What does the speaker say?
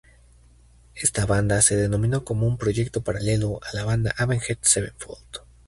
Esta banda se denominó como un proyecto paralelo a la banda Avenged Sevenfold.